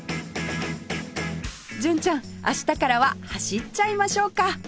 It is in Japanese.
純ちゃん明日からは走っちゃいましょうか！